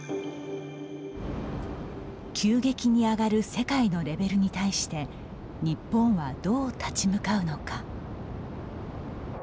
急激に上がる世界のレベルに対して日本は、どう立ち向かうのか。